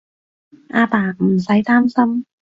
阿爸，唔使擔心